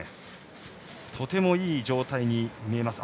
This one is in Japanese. とてもいい状態に見えます。